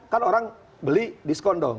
kan orang beli diskon dong